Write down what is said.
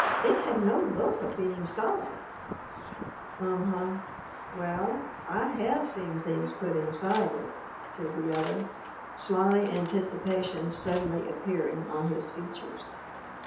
'It had no look of being solid/ " 'Um huh. Well, I have seen things put inside it/ said the other, sly anticipation suddenly appearing on his features.